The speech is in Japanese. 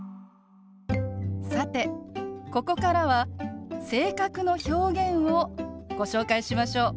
さてここからは性格の表現をご紹介しましょう。